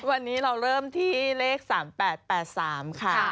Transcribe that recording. วันนี้เราเริ่มที่เลข๓๘๘๓ค่ะ